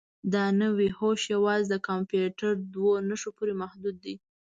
دا نوي هوښ یوازې د کمپیوټر دوو نښو پورې محدود دی.